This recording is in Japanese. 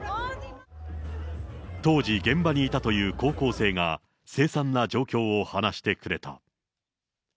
当時、現場にいたという高校生が、凄惨な状況を話してくれた。